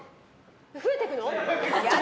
増えていくの？